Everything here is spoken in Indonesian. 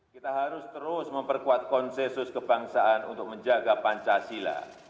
kita harus terus memperkuat konsensus kebangsaan untuk menjaga pancasila